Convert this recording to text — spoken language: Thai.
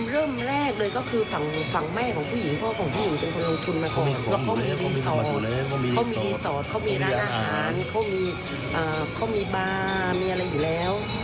แล้วเขามีรีสอร์ตเขามีร้านอาหารเขามีบาร์มีอะไรอยู่แล้ว